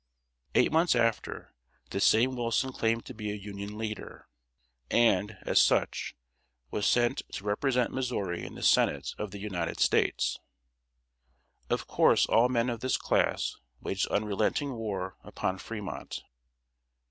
Eight months after, this same Wilson claimed to be a Union leader, and, as such, was sent to represent Missouri in the Senate of the United States! Of course all men of this class waged unrelenting war upon Fremont.